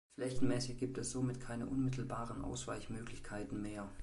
Flächenmäßig gibt es somit keine unmittelbaren Ausweichmöglichkeiten mehr.